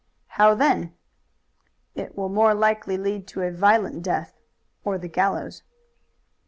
"How then?" "It will more likely lead to a violent death or the gallows."